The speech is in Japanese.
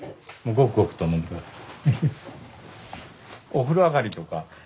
お風呂上がりとか。